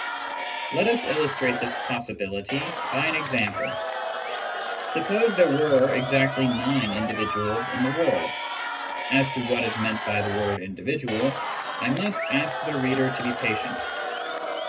Let us illustrate this possibility by an example : Suppose there were exactly nine individuals in the world. (As to what is meant by the word " individual," I must ask the reader to be patient.)